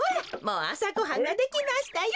もうあさごはんができましたよ。